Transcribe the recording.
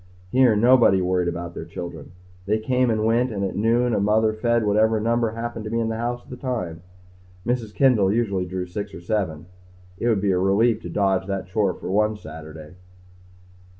Here, nobody worried about their children. They came and went and at noon a mother fed whatever number happened to be in the house at the time. Mrs. Kendall usually drew six or seven. It would be a relief to dodge the chore for one Saturday....